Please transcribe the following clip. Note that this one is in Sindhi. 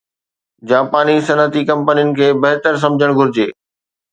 جاپاني صنعتي ڪمپنين کي بهتر سمجهڻ گهرجي